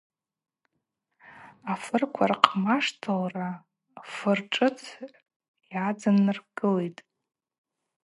Афырква рхъмаштылра фыр шӏыц гӏадзыннаргылитӏ.